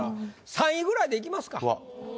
３位ぐらいでいきますか。